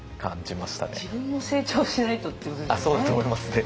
自分も成長しないとっていうことですよね。